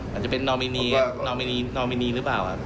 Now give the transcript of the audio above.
อาจจะเป็นนอมิเนียร์นอมิเนียร์หรือเปล่า